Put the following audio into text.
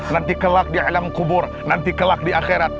nanti kelak di alam kubur nanti kelak di akhirat